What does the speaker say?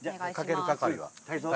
かける係は？